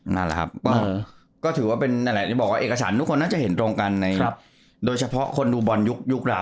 น่ารักครับก็ถือว่าเอกฉันนุกคนน่าจะเห็นตรงกันโดยเฉพาะคนดูบอลยุคเรา